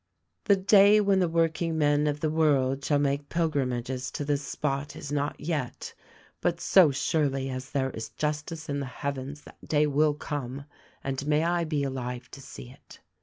"The day when the workingmen of the world shall make pilgrimages to this spot is not yet; but so surely as there is justice in the heavens that day will come — and may I be alive to see it."